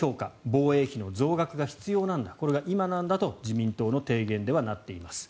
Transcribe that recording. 防衛費の増額が必要なんだこれが今なんだと自民党の提言ではなっています。